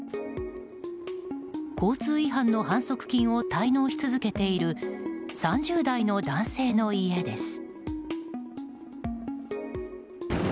交通違反の反則金を滞納し続けている３０代の男性の家です。